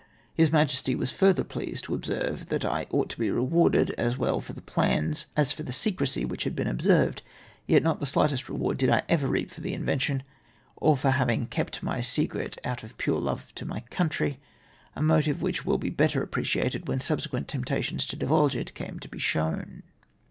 His Majesty was further pleased to observe that I ought to be rewarded as well for the plans as for the secrecy which had been observed, yet not the slightest reward did I ever reap for the invention or for having kept my secret out of pure love to my country, a motive which will be better appreciated when subsequent temptations to divulge it come to be shown.